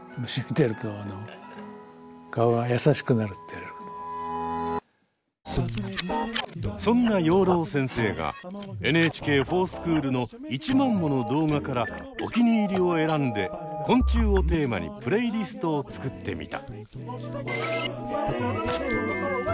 ふだんよっぽどそんな養老先生が「ＮＨＫｆｏｒＳｃｈｏｏｌ」の１万もの動画からおきにいりを選んで「昆虫」をテーマにプレイリストを作ってみた。